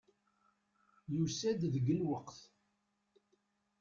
Yusa-d deg lweqt.